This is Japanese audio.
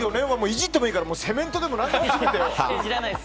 いじってもいいからセメントでもなんでも作ってよ。